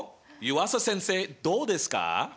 湯浅先生どうですか？